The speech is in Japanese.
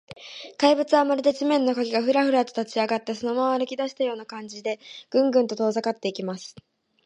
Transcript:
怪物は、まるで地面の影が、フラフラと立ちあがって、そのまま歩きだしたような感じで、グングンと遠ざかっていきます。